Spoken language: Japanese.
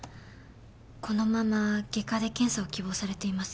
このまま外科で検査を希望されています。